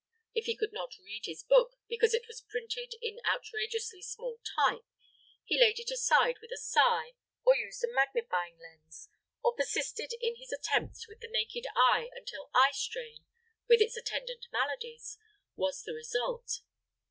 If he could not read his book because it was printed in outrageously small type, he laid it aside with a sigh, or used a magnifying lens, or persisted in his attempts with the naked eye until eyestrain, with its attendant maladies, was the result.